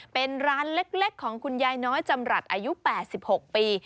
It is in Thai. เป็นร้านเล็กของคุณยายน้อยจำรัฐอายุ๘๖ปี